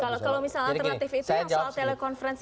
kalau misalnya alternatif itu yang soal telekonferensi